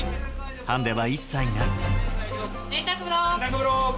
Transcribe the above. ハンデは一切ない。